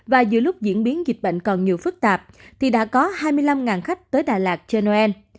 và giữa lúc diễn biến dịch bệnh còn nhiều phức tạp thì đã có hai mươi năm khách tới đà lạt chen